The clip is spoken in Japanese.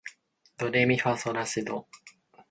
ドレミファソラシド